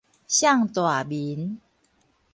摔大眠